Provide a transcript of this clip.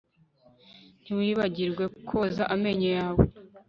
Ntiwibagirwe koza amenyo yawe